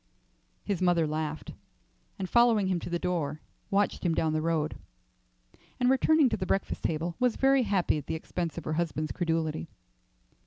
His mother laughed, and following him to the door, watched him down the road; and returning to the breakfast table, was very happy at the expense of her husband's credulity.